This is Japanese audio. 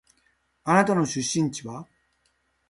あなたの出身地は？